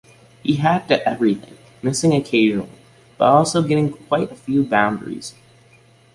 He hacked at everything, missing occasionally, but also getting quite a few boundaries.